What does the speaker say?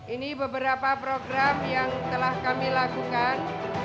ini beberapa program yang telah kami lakukan